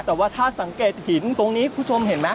แต่ว่าถ้าสังเกตหินตรงนี้คุณผู้ชมเห็นไหม